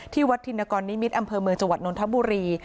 วัดธินกรนิมิตรอำเภอเมืองจังหวัดนนทบุรี